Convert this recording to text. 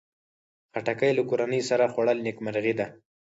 خټکی له کورنۍ سره خوړل نیکمرغي ده.